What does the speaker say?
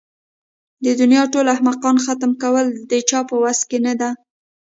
د دنيا ټول احمقان ختم کول د چا په وس کې نه ده.